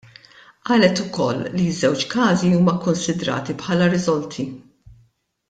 Qalet ukoll li ż-żewġ każi huma kkunsidrati bħala riżolti.